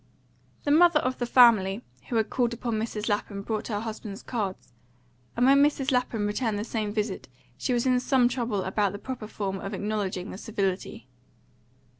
The mother of the family who had called upon Mrs. Lapham brought her husband's cards, and when Mrs. Lapham returned the visit she was in some trouble about the proper form of acknowledging the civility.